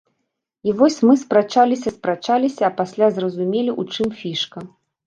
І вось мы спрачаліся спрачаліся, а пасля зразумелі, у чым фішка.